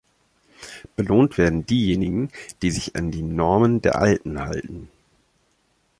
Belohnt werden diejenigen, die sich an die Normen der Alten halten.